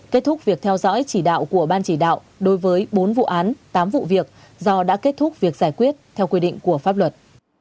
kết thúc việc theo dõi chỉ đạo của ban chỉ đạo đối với bốn vụ án tám vụ việc do đã kết thúc việc giải quyết theo quy định của pháp luật